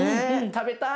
食べたい。